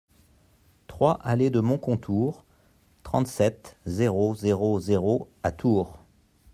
trois allée de Moncontour, trente-sept, zéro zéro zéro à Tours